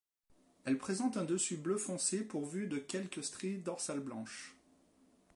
Elle présente un dessus bleu foncé pourvu de quelques stries dorsales blanches.